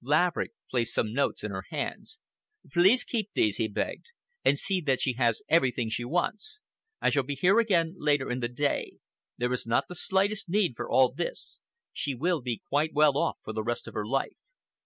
Laverick placed some notes in her hands. "Please keep these," he begged, "and see that she has everything she wants. I shall be here again later in the day. There is not the slightest need for all this. She will be quite well off for the rest of her life.